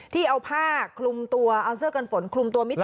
ที่เอาผ้าคลุมตัวเอาเสื้อกันฝนคลุมตัวมิด